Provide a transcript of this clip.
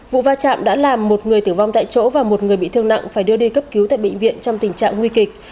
vụ va chạm đã làm một người tử vong tại chỗ và một người bị thương nặng phải đưa đi cấp cứu tại bệnh viện trong tình trạng nguy kịch